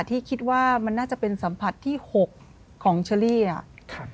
ที่คิดว่ามันน่าจะเป็นสัมผัสที่๖ของเชอรี่อ่ะ